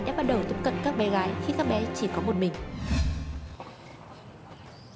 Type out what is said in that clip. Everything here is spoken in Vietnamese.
đã bắt đầu tiếp cận các bé gái khi các bé chỉ có một mình